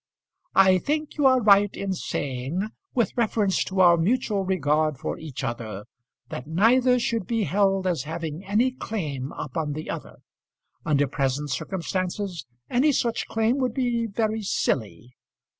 I think you are right in saying, with reference to our mutual regard for each other, that neither should be held as having any claim upon the other. Under present circumstances, any such claim would be very silly.